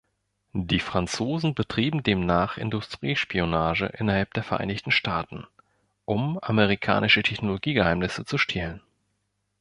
Die Franzosen betrieben demnach Industriespionage innerhalb der Vereinigten Staaten, um amerikanische Technologie-Geheimnisse zu stehlen.